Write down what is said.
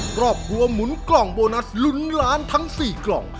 ครอบครัวหมุนกล่องโบนัสลุ้นล้านทั้ง๔กล่อง